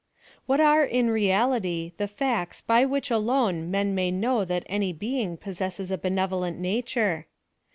What are, in reality, tlie facts by which alone men may know that any being possesses a benevolent nature